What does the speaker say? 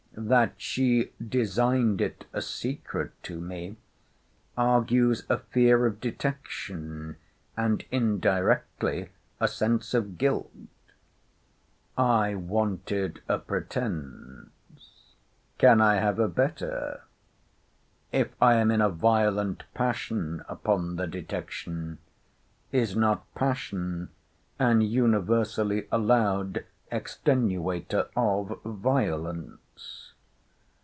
That she designed it a secret to me, argues a fear of detection, and indirectly a sense of guilt. I wanted a pretence. Can I have a better?—If I am in a violent passion upon the detection, is not passion an universally allowed extenuator of violence?